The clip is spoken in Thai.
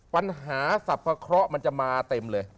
ปัญหาสรรพเคราะห์มันจะมาเต็มเลย